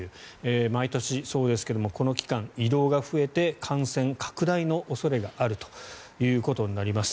毎年そうですがこの期間、移動が増えて感染拡大の恐れがあるということになります。